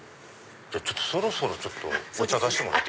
そろそろお茶出してもらって。